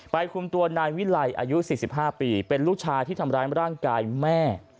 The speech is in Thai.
คุมตัวนายวิไลอายุ๔๕ปีเป็นลูกชายที่ทำร้ายร่างกายแม่